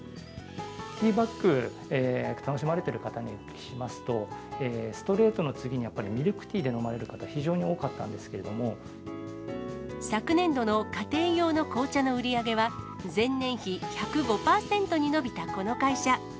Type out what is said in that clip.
ティーバッグ、楽しまれている方にお聞きしますと、ストレートの次に、やっぱりミルクティーで飲まれる方、非常に多かったんですけれど昨年度の家庭用の紅茶の売り上げは、前年比１０５％に伸びたこの会社。